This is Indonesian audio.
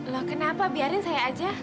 loh kenapa biarin saya aja